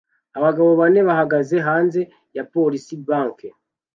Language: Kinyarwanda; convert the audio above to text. Abagabo bane bahagaze hanze ya Police Bank